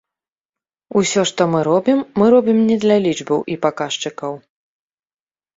Усё, што мы робім, мы робім не для лічбаў і паказчыкаў.